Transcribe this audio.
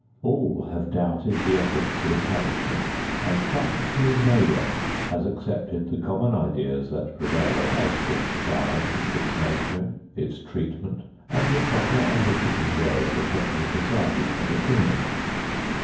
All have doubted the efficacy of punishment and practically no one has accepted the common ideas that prevail as to crime, its nature, its treatment and the proper and efficient way of protecting society from the criminal.